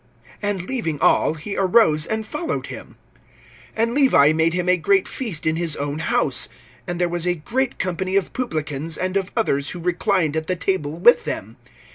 (28)And leaving all, he arose and followed him. (29)And Levi made him a great feast in his own house; and there was a great company of publicans and of others who reclined at the table with them.